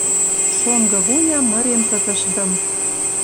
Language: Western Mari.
Шонгы вуя мырем тытышдым.